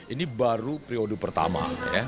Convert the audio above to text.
ini baru periode pertama